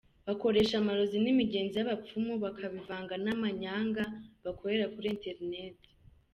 Bakoresha amarozi n'imigenzo y'abapfumu bakabivanga n'amanyanga bakorera kuri Internet.